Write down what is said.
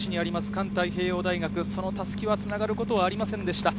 環太平洋大学、その襷はつながることはありませんでした。